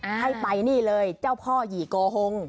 ให้ไปนี่เลยเจ้าพ่อหยี่โกหง